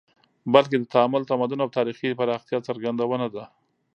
بلکې د تعامل، تمدن او تاریخي پراختیا څرګندونه ده